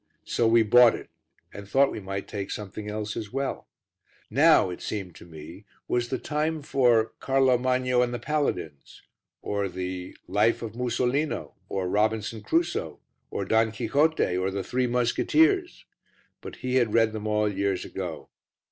So we bought it and thought we might take something else as well. Now, it seemed to me, was the time for Carlo Magno and the Paladins or the Life of Musolino, or Robinson Crusoe, or Don Quixote, or The Three Musketeers, but he had read them all, years ago.